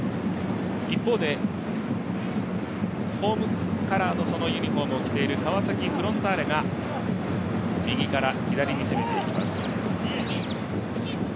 一方で、ホームカラーのユニフォームを着ている川崎フロンターレが右から左に攻めていきます。